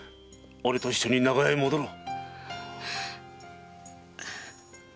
俺と一緒に長屋へ帰ろう！